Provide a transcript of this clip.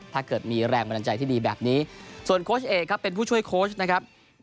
ถ้าเกิดมีแรงบันดาลใจที่ดีแบบนี้ส่วนโค้ชเอกครับเป็นผู้ช่วยโค้ชนะครับ